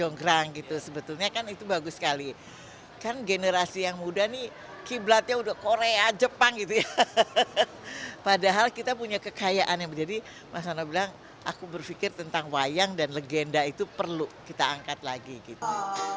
dong gitu sebetulnya kan itu bagus sekali kan generasi yang muda nih kiblatnya udah korea jepang gitu ya padahal kita punya kekayaan yang menjadi masalah bilang aku berpikir tentang wayang dan legenda itu perlu kita angkat lagi gitu